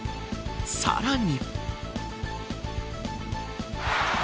さらに。